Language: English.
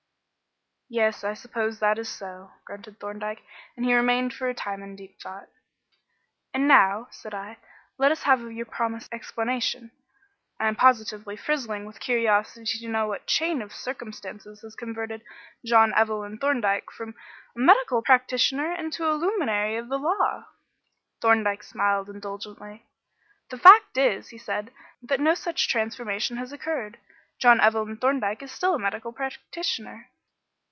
"Yes, I suppose that is so," grunted Thorndyke, and he remained for a time in deep thought. "And now," said I, "let us have your promised explanation. I am positively frizzling with curiosity to know what chain of circumstances has converted John Evelyn Thorndyke from a medical practitioner into a luminary of the law." Thorndyke smiled indulgently. "The fact is," said he, "that no such transformation has occurred. John Evelyn Thorndyke is still a medical practitioner."